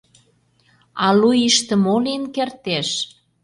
А лу ийыште мо лийын кертеш?